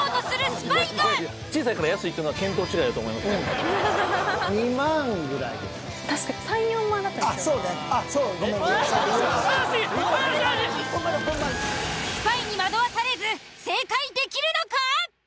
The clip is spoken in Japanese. スパイに惑わされず正解できるのか。